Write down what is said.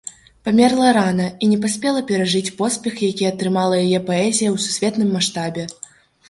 Памерла рана і не паспела перажыць поспех, які атрымала яе паэзія ў сусветным маштабе.